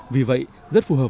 vì vậy rất phù hợp